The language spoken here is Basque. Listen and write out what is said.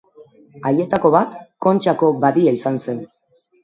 Haietako bat Kontxako badia izan zen.